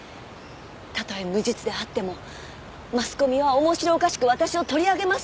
たとえ無実であってもマスコミは面白おかしく私を取り上げますよね。